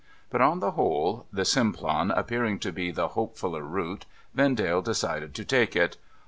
But, on the whole, the Simplon appearing to be the hopefuUer route, Vendale decided to take it.